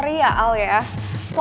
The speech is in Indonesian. kasus ini bakal terus berjalan titik